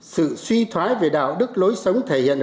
sự suy thoái về đạo đức lối sống tư tưởng chính trị